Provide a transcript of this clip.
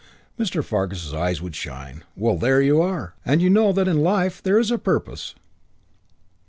Mr. Fargus's eyes would shine. "Well, there you are! And you know that in life there is a purpose."